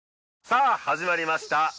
さあ始まりました